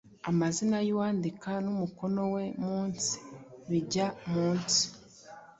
Amazina y’uwandika n’umukono we munsi: Bijya munsi